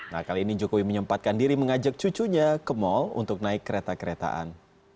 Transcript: nah kali ini jokowi menyempatkan diri mengajak cucunya ke mal untuk naik kereta keretaan